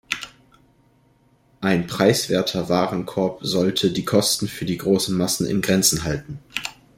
Ein preiswerter Warenkorb sollte die Kosten für die großen Massen in Grenzen halten.